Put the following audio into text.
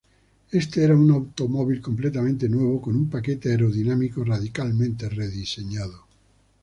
Este era un automóvil completamente nuevo con un paquete aerodinámico radicalmente rediseñado.